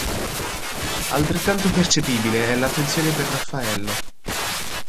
Altrettanto percepibile è l'attenzione per Raffaello.